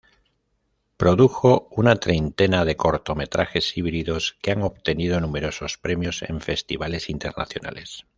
Produjo una treintena de cortometrajes híbridos que han obtenido numerosos premios en festivales internacionales.